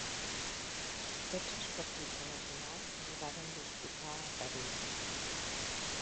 Tots els partits de la final es varen disputar a París.